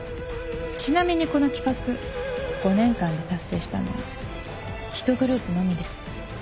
ちなみにこの企画５年間で達成したのは１グループのみです。